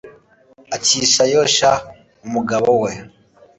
akisha yoshya umugabo we